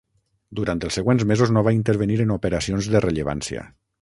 Durant els següents mesos no va intervenir en operacions de rellevància.